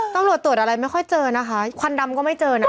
ตำรวจตรวจอะไรไม่ค่อยเจอนะคะควันดำก็ไม่เจอนะ